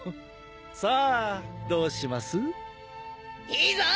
さあどうします？いいぞ！